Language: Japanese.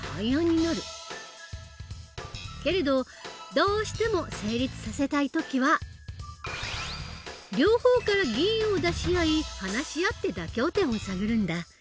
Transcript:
けれどどうしても成立させたい時は両方から議員を出し合い話し合って妥協点を探るんだ。